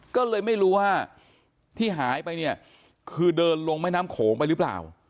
ก็เลยไม่รู้ว่าที่หายไปเนี่ยคือเดินลงแม่น้ำโขงไปหรือเปล่า